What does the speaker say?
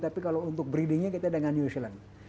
tapi kalau untuk breedingnya kita dengan new zealand